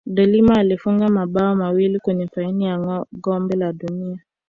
deLima alifunga mabao mawili kwenye fainali ya kombe la dunia